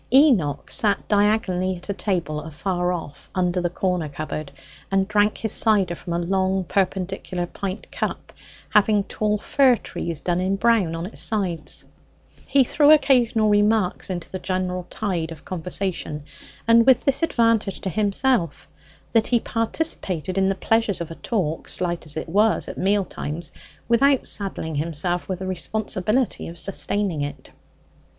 Enoch sat diagonally at a table afar off, under the corner cupboard, and drank his cider from a long perpendicular pint cup, having tall fir trees done in brown on its sides. He threw occasional remarks into the general tide of conversation, and with this advantage to himself, that he participated in the pleasures of a talk (slight as it was) at meal times, without saddling himself with the responsibility of sustaining it.